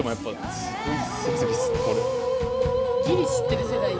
ギリ知ってる世代ちゃう？